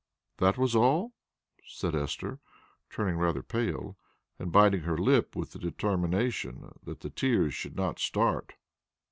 '" "That was all?" said Esther, turning rather pale, and biting her lip with the determination that the tears should not start.